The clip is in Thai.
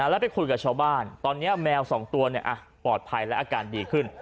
แล้วไปคุยกับชาวบ้านตอนนี้แมว๒ตัวปลอดภัยและอาการดีขึ้น